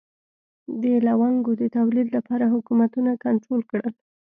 د لونګو د تولید لپاره حکومتونه کنټرول کړل.